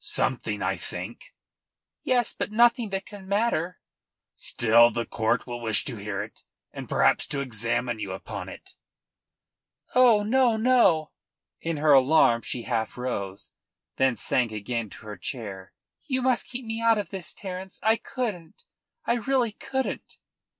"Something, I think." "Yes; but nothing that can matter." "Still the court will wish to hear it and perhaps to examine you upon it." "Oh no, no!" In her alarm she half rose, then sank again to her chair. "You must keep me out of this, Terence. I couldn't I really couldn't."